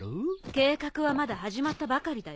計画はまだ始まったばかりだよ。